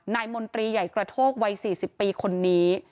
มนตรีใหญ่กระโทกวัย๔๐ปีคนนี้